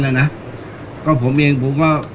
การสำรรค์ของเจ้าชอบใช่